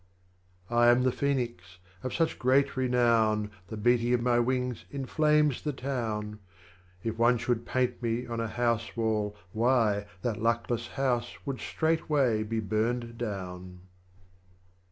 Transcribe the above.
I am the Phoenix, of such great Renown The beating of my Wings inflames the toAvn: If one should paint me on a house wall, why. That luckless house would straightway be burned down.